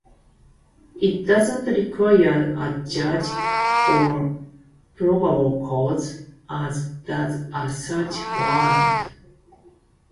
It does not require a judge or probable cause, as does a search warrant.